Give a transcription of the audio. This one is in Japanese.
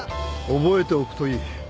覚えておくといい